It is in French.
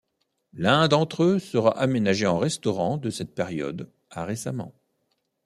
L'un d'entre eux sera aménagé en restaurant de cette période à récemment.